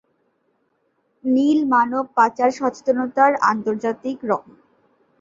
নীল মানব পাচার সচেতনতার আন্তর্জাতিক রঙ।